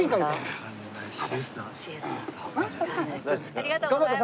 ありがとうございます。